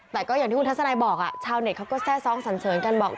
แต่ก็อย่างที่คุณทัศนัยบอกชาวเน็ตเขาก็แทร่ซ้องสันเสริญกันบอก